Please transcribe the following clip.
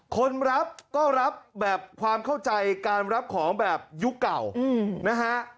คนรับก็รับแบบความเข้าใจการรับของแบบยุคเก่านะฮะ